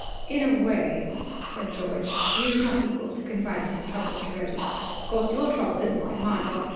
"In a way," said George. He was not equal to confiding his troubles to Reggie. "Of course, your trouble isn't like mine was.